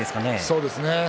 そうですね。